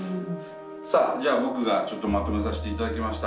さあじゃあ僕がちょっとまとめさせて頂きました。